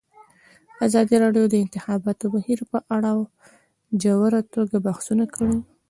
ازادي راډیو د د انتخاباتو بهیر په اړه په ژوره توګه بحثونه کړي.